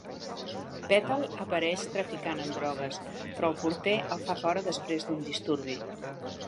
Petal apareix traficant amb drogues, però el porter el fa fora després d'un disturbi.